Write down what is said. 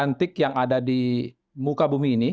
yang cantik yang ada di muka bumi ini